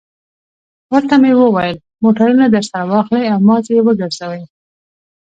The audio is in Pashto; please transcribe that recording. ورته مې وویل: موټرونه درسره واخلئ او مازې یې وګرځوئ.